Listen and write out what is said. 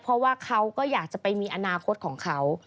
เพราะว่าเขาก็อยากจะไปมีอนาคตของเขา